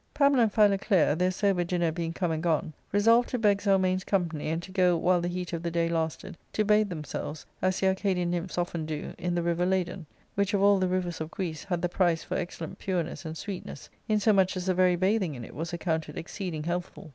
Pamela and Philoclea, their sober dinner being come and gone, resolved to beg Zelmane*s company and to go, while the heat of the day lasted, to bathe themselves, as the Ar cadian nymphs often do, in the river Ladon, which of all the rivers of Greece had the price for excellent pureness and sweetness, insomuch as the very bathing in it was accounted exceeding healthful.